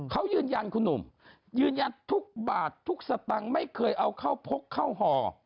เขายืนยันคุณหนุ่มยืนยันทุกบาททุกสตังค์ไม่เคยเอาเข้าพกเข้าห่อ